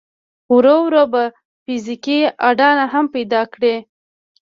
ورو ورو به فزيکي اډانه هم پيدا کړي.